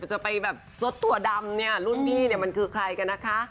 จะไปแบบสดตัวดำรุ่นนี้มันคือใครกันนะคะ